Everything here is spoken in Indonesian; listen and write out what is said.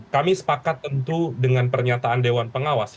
kami sepakat tentu dengan pernyataan dewan pengawas